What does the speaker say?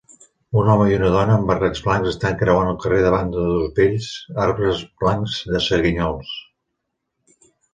Un home i una dona amb barrets blancs estan creuant el carrer davant de dos bells arbres blancs de sanguinyols.